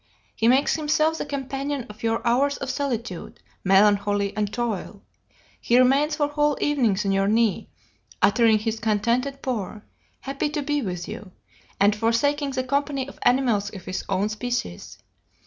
He makes himself the companion of your hours of solitude, melancholy, and toil. He remains for whole evenings on your knee, uttering his contented purr, happy to be with you, and forsaking the company of animals of his own species.